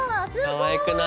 かわいくない？